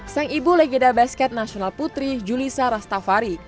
sang ibu legenda basket nasional putri julissa rastafari